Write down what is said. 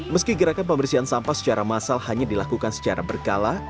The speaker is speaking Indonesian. meski gerakan pembersihan sampah secara massal hanya dilakukan secara berkala